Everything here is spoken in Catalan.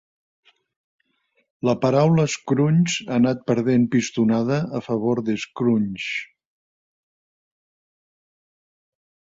La paraula "scrunch" ha anat perdent pistonada a favor de "scrunge".